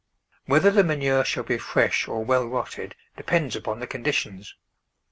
Whether the manure shall be fresh or well rotted depends upon the conditions.